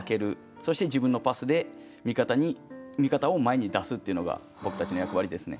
そして自分のパスで味方を前に出すっていうのが僕たちの役割ですね。